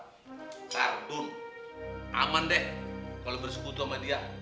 pak ardun aman deh kalau bersekutu sama dia